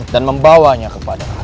dan membawanya kepada rakyat